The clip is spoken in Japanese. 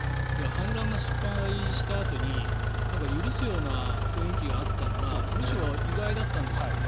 反乱が失敗したあとに許すような雰囲気があったのがむしろ意外だったんですよね。